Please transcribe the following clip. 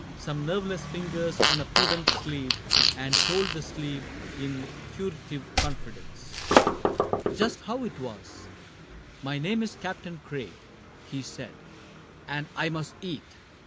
Some nerveless fingers on a prudent sleeve And told the sleeve, in furtive confidence. 2 CAPTAIN CRAIG Just how it was :" My name is Captain Craig," He said, " and I must eat."